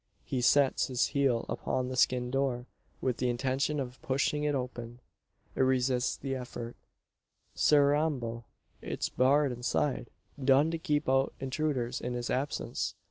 He sets his heel upon the skin door, with the intention of pushing it open. It resists the effort. "Carrambo! it's barred inside! Done to keep out intruders in his absence!